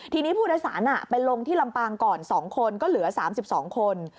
ทีนี้ผู้โดยสารไปลงที่ลำปางก่อน๒คนก็เหลือ๓๒คน